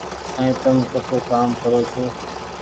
سائين تم ڪسو ڪآم ڪرو ڇو ۔